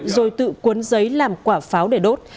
rồi tự cuốn giấy làm quả pháo để đốt